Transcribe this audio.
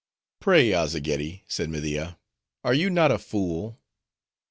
"Pray, Azzageddi," said Media, "are you not a fool?"